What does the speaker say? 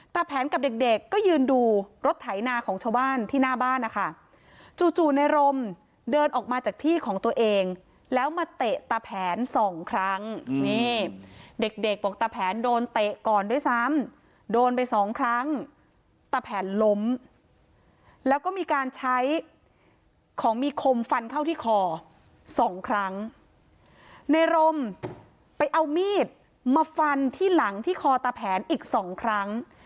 แผนกับเด็กเด็กก็ยืนดูรถไถนาของชาวบ้านที่หน้าบ้านนะคะจู่จู่ในรมเดินออกมาจากที่ของตัวเองแล้วมาเตะตาแผนสองครั้งนี่เด็กเด็กบอกตะแผนโดนเตะก่อนด้วยซ้ำโดนไปสองครั้งตะแผนล้มแล้วก็มีการใช้ของมีคมฟันเข้าที่คอสองครั้งในรมไปเอามีดมาฟันที่หลังที่คอตะแผนอีกสองครั้ง